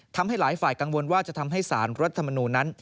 ทำให้หลายฝ่ายกังวลว่าจะทำให้สารรัฐมนูลนั้น